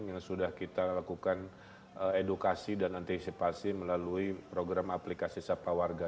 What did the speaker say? yang sudah kita lakukan edukasi dan antisipasi melalui program aplikasi sapa warga